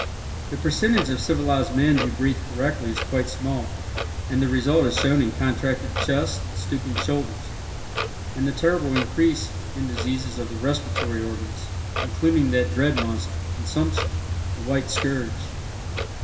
The percentage of civilized men who breathe correctly is quite small, and the result is shown in contracted chests and stooping shoulders, and the terrible increase in diseases of the respiratory organs, including that dread monster, Consumption, "the white scourge."